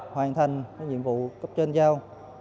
hoàn thành nhiệm vụ cấp trên giao